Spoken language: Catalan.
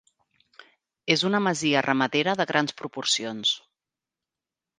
És una masia ramadera de grans proporcions.